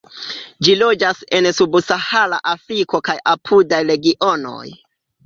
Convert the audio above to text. Ĝi loĝas en subsahara Afriko kaj apudaj regionoj.